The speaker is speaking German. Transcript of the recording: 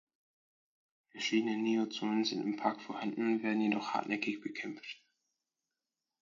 Verschiedene Neozoen sind im Park vorhanden, werden jedoch hartnäckig bekämpft.